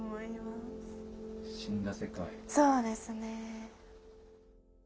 そうですね。